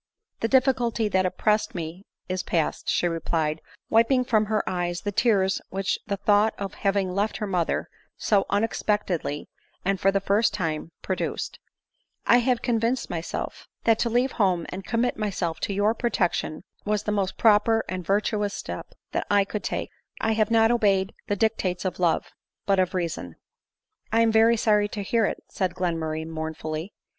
" The difficulty that oppressed me is past," she replied, wiping from her eyes the tears which the thought of having left her mother so unexpectedly, and for the first time, produced, " I have convinced myself, that to leave home and commit myself to your protection was the most proper and virtuous step that I could take ; I have not obeyed the dictates of love, but of reason." " I am very sorry to hear it," said Glenmurray mourn fully.